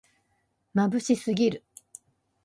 まぶしすぎる